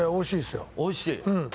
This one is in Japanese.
おいしい？